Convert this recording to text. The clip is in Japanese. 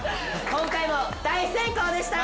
今回も大成功でした！